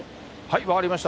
分かりました。